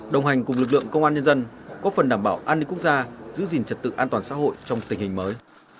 đồng hành cùng lực lượng công an nhân dân có phần đảm bảo an ninh quốc gia giữ gìn trật tự an toàn xã hội trong tình hình mới